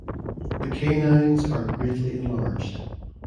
The canines are greatly enlarged.